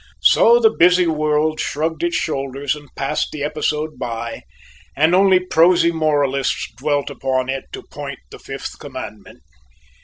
So the busy world shrugged its shoulders and passed the episode by, and only prosy moralists dwelt upon it to point the Fifth Commandment.